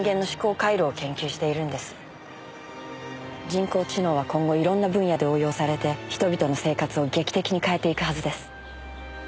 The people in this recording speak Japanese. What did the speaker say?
人工知能は今後色んな分野で応用されて人々の生活を劇的に変えていくはずです。